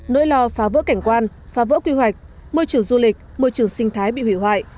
nỗi lo phá vỡ cảnh quan phá vỡ quy hoạch môi trường du lịch môi trường sinh thái bị hủy hoại